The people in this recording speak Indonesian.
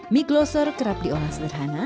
mie gloser kerap diolah sederhana